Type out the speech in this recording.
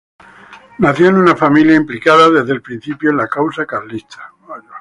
Nació en una familia implicada desde el principio en la causa carlista.